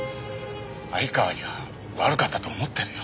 相川には悪かったと思ってるよ。